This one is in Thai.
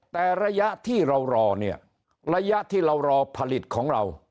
แต่ระยะที่เรารอเนี่ยระยะที่เรารอผลิตของเรา